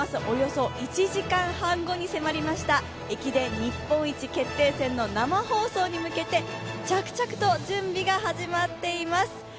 およそ１時間半後に迫りました駅伝日本一決定戦の生放送に向けて着々と準備が始まっています。